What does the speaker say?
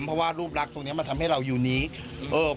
เพราะว่ารูปรักตรงเนี้ยมันทำให้เรายูนิคเออ